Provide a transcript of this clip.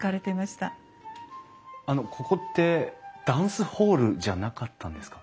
あのここってダンスホールじゃなかったんですか？